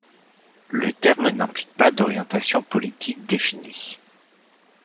Le terme n'implique pas d'orientation politique définie.